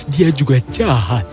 tapi dia juga jahat